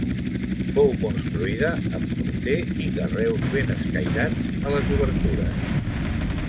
Fou construïda amb morter i carreus ben escairats a les obertures.